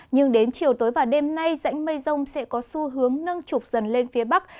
nhưng đến chiều tối và đêm nay rãnh mây rông sẽ có xu hướng nâng trục dần lên phía bắc